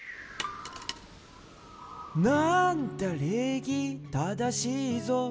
「なんだれいぎただしいぞ」